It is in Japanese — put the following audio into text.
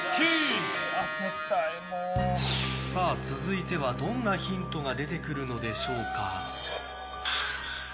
さあ、続いてはどんなヒントが出てくるのでしょうか？